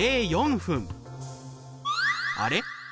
あれ？